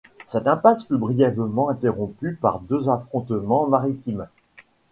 Cette impasse fut brièvement interrompue par deux affrontements maritimes.